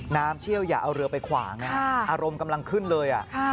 เชี่ยวอย่าเอาเรือไปขวางอารมณ์กำลังขึ้นเลย